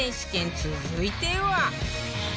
続いては